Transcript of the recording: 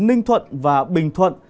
ninh thuận và bình thuận